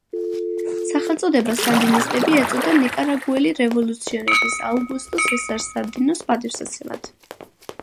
სახელწოდება „სანდინისტები“ ეწოდა ნიკარაგუელი რევოლუციონერის აუგუსტო სესარ სანდინოს პატივსაცემად.